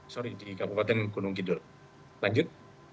sorry di kabupaten gunung kidul lanjut